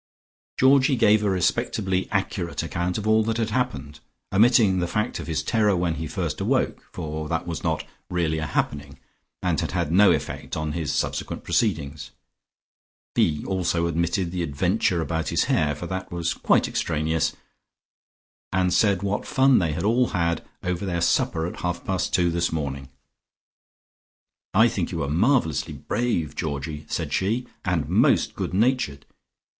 Georgie gave a respectably accurate account of all that had happened, omitting the fact of his terror when first he awoke, for that was not really a happening, and had had no effect on his subsequent proceedings. He also omitted the adventure about his hair, for that was quite extraneous, and said what fun they had all had over their supper at half past two this morning. "I think you were marvellously brave, Georgie," said she, "and most good natured.